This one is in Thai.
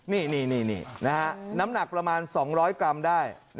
นี่นี่นี่นี่น้ำหนักประมาณ๒๐๐กรัมได้